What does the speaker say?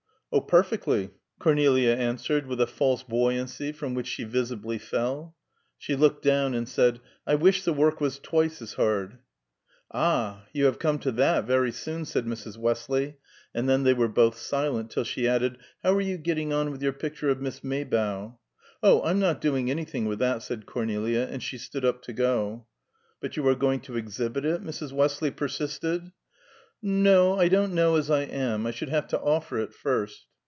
"Oh, perfectly," Cornelia answered with a false buoyancy from which she visibly fell. She looked down, and said, "I wish the work was twice as hard!" "Ah, you have come to that very soon," said Mrs. Westley; and then they were both silent, till she added, "How are you getting on with your picture of Miss Maybough?" "Oh, I'm not doing anything with that," said Cornelia, and she stood up to go. "But you are going to exhibit it?" Mrs. Westley persisted. "No, T don't know as I am. I should have to offer it first."